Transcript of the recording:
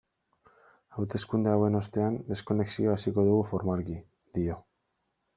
Hauteskunde hauen ostean deskonexioa hasiko dugu formalki, dio.